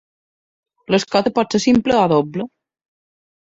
L'escota pot ser simple o doble.